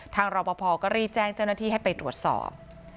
รอปภก็รีบแจ้งเจ้าหน้าที่ให้ไปตรวจสอบ